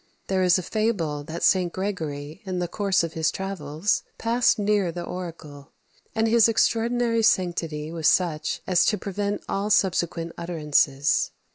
There is a fable that St. Gregory, in the course of his travels, passed near the oracle, and his extraordinary sanctity was such as to prevent all subsequent utterances.